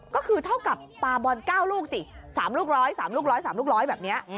ก็คือเท่ากับปลาบอล๙ลูกสิ๓ลูก๑๐๐แบบนี้